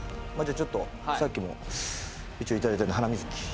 ちょっとさっきも一応いただいたんで「ハナミズキ」